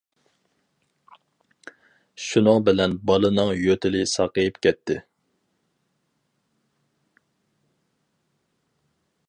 شۇنىڭ بىلەن بالىنىڭ يۆتىلى ساقىيىپ كەتتى.